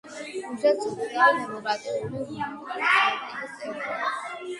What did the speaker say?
რუსეთის სოციალ-დემოკრატიული მუშათა პარტიის წევრი.